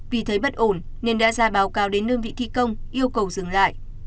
vì thấy bất ổn nên đã ra báo cáo đến đơn vị thi công yêu cầu dừng lại